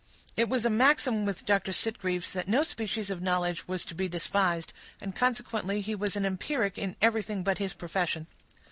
It was a maxim with Dr. Sitgreaves, that no species of knowledge was to be despised; and, consequently, he was an empiric in everything but his profession.